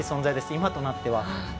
今となっては。